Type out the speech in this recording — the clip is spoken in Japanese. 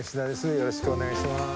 よろしくお願いします。